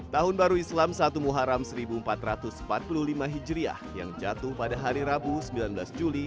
tahun baru islam satu muharam seribu empat ratus empat puluh lima hijriah yang jatuh pada hari rabu sembilan belas juli